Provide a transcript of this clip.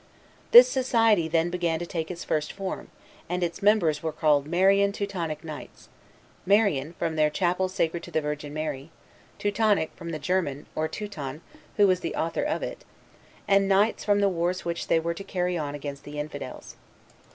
This society then began to take its first form; and its members were called Marian Teutonic Knights. Marian, from their chapel sacred to the Virgin Mary; Teutonic, from the German, or Teuton, who was the author of it, and Knights from the wars which they were to carry on against the Infidels.